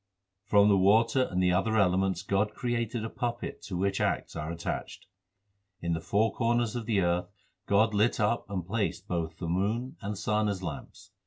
From the water and the other elements God created a puppet to which acts are attached. In the four corners of the earth God lit up and placed both the moon and sun as lamps.